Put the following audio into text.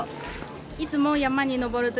いつも山に登る時